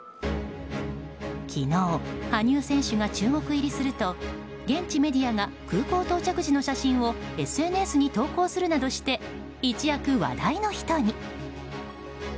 昨日、羽生選手が中国入りすると現地メディアが空港到着時の写真をＳＮＳに投稿するなどして一躍話題の人に。